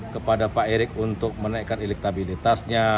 kepada pak erick untuk menaikkan elektabilitasnya